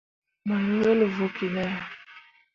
Mo ye wel vokki ne.